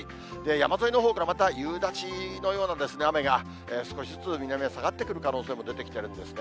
山沿いのほうからまた夕立のような雨が、少しずつ南へ下がってくる可能性も出てきてるんですね。